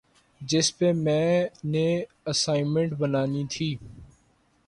جس پہ میں نے اسائنمنٹ بنانی ہے